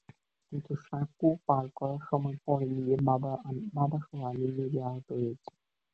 কিন্তু সাঁকো পার করার সময় পড়ে গিয়ে বাবাসহ আমি নিজেই আহত হয়েছি।